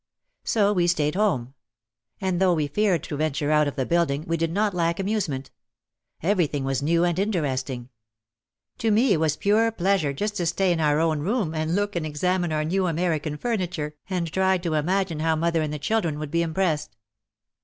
So we stayed home. And though we feared to venture out of the building we did not lack amusement. Every thing was new and interesting. To me it was pure pleasure just to stay in our own room and look and examine our new American furniture, and try to imagine how mother and the children would be impressed.